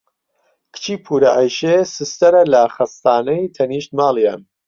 کچی پوورە عەیشێ سستەرە لە خەستانەی تەنیشت ماڵیان.